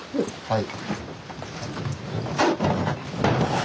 はい。